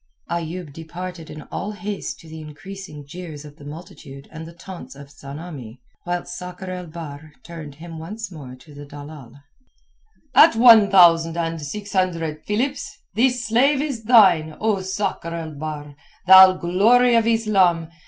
Ayoub departed in all haste to the increasing jeers of the multitude and the taunts of Tsamanni, whilst Sakr el Bahr turned him once more to the dalal. "At one thousand and six hundred philips this slave is thine, O Sakr el Bahr, thou glory of Islam.